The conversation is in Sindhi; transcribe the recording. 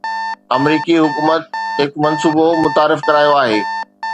آمريڪي حڪومت هڪ منصوبو متعارف ڪرايو آهي